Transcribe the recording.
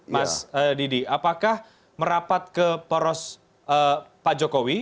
mas didi apakah merapat ke poros pak jokowi